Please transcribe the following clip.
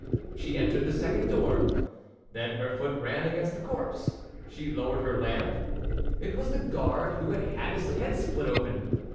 She entered the second door. Then her foot ran against a corpse; she lowered her lamp; it was the guard who had had his head split open.